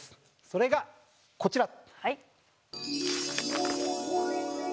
それがこちら。